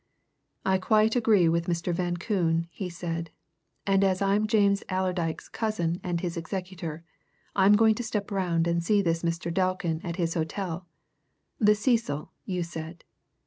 "I quite agree with Mr. Van Koon," he said, "and as I'm James Allerdyke's cousin and his executor, I'm going to step round and see this Mr. Delkin at his hotel the Cecil, you said.